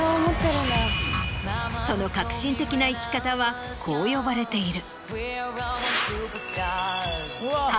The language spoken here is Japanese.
その革新的な生き方はこう呼ばれている。